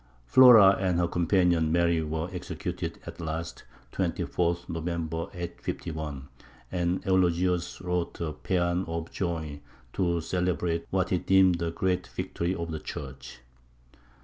Flora and her companion Mary were executed at last, 24th November, 851, and Eulogius wrote a pæan of joy to celebrate what he deemed a great victory of the Church.